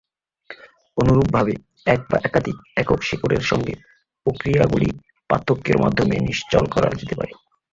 অনুরূপভাবে, এক বা একাধিক একক শিকড়ের সঙ্গে প্রক্রিয়াগুলি পার্থক্যের মাধ্যমে নিশ্চল করা যেতে পারে।